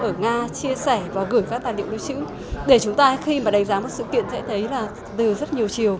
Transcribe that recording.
ở nga chia sẻ và gửi các tài liệu lưu trữ để chúng ta khi mà đánh giá một sự kiện sẽ thấy là từ rất nhiều chiều